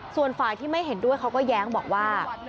ส่วนฝ่ายที่ไม่เห็นด้วยเขาก็แย้งบอกว่า